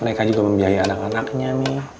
mereka juga membiayai anak anaknya nih